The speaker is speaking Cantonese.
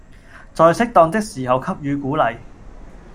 在適當的時候給予鼓勵